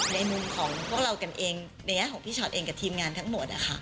ในมุมของพี่ชอตเองกับทีมงานทั้งหมด